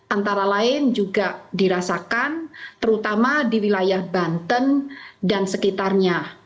antara lain juga dirasakan terutama di wilayah banten dan sekitarnya